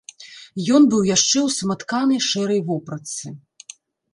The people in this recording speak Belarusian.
Ён быў яшчэ ў саматканай шэрай вопратцы.